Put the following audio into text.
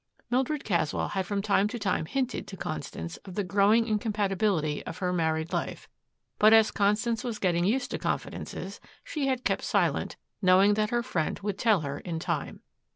Mildred Caswell had from time to time hinted to Constance of the growing incompatibility of her married life, but as Constance was getting used to confidences, she had kept silent, knowing that her friend would tell her in time.